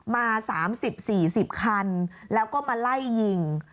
มา๓๐๔๐คันแล้วก็มาไล่ยิง